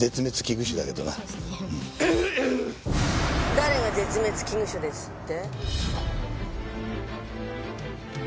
誰が絶滅危惧種ですって？